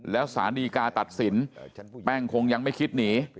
แล้วสารดีกาตัดสินแป้งคงยังไม่คิดหนี